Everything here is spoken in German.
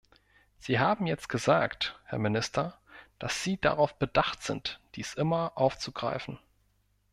Sie haben jetzt gesagt, Herr Minister, dass Sie darauf bedacht sind, dies immer aufzugreifen.